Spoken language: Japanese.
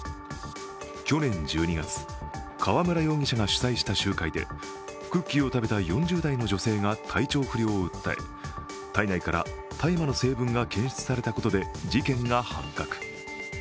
去年１２月、川村容疑者が主催した集会でクッキーを食べた４０代の女性が体調不良を訴え体内から大麻の成分が検出されたことで事件が発覚。